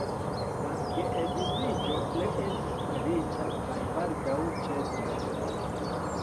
La geedziĝo ne estis feliĉa kaj baldaŭ ĉesis.